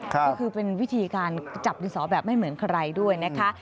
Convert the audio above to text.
ก็คือเป็นวิธีการจับดินสอแบบไม่เหมือนใครด้วยนะคะ